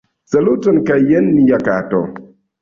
Saluton kaj jen nia kato